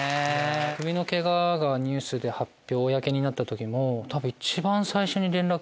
首のケガがニュースで発表公になった時も。